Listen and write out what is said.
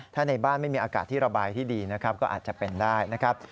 ถ้าในบ้านไม่มีอากาศที่ระบายที่ดีนะครับก็อาจจะเป็นได้นะครับ